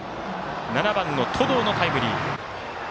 ７番登藤のタイムリー。